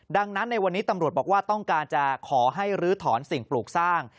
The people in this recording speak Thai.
ดังนั้นในวันนี้ตำรวจบอกว่าต้องการจะขอให้ลื้อถอนสิ่งปลูกสร้าง